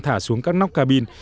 thả xuống các nóc cabin